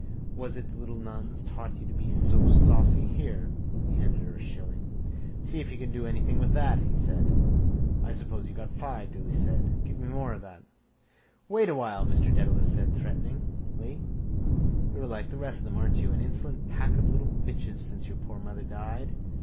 Was it the little nuns taught you to be so saucy? Here. He handed her a shilling. —See if you can do anything with that, he said. —I suppose you got five, Dilly said. Give me more than that. —Wait awhile, Mr Dedalus said threateningly. You're like the rest of them, are you? An insolent pack of little bitches since your poor mother died.